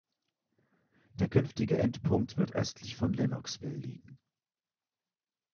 Der künftige Endpunkt wird östlich von Lennoxville liegen.